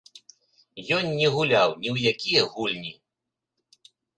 Ён не гуляў ні ў якія гульні.